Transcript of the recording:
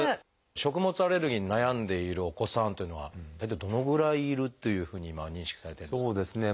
食物アレルギーに悩んでいるお子さんっていうのは大体どのぐらいいるというふうに今は認識されてるんですか？